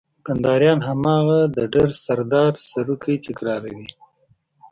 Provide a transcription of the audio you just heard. کنداريان هماغه د ډر سردار سروکی تکراروي.